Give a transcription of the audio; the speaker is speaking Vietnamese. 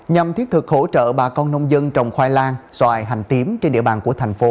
nhằm thiết thực hỗ trợ bà con nông dân trồng khoai lang xoài hành tím trên địa bàn tp hcm